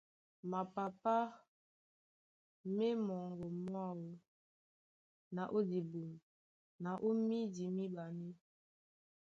Mapapá ma e mɔŋgɔ mwáō na ó dibum na ó mídi míɓanɛ́.